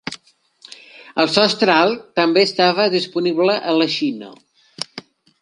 El sostre alt també estava disponible a la Xina.